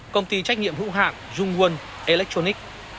công ty trách nhiệm hữu hạng jungwon electronics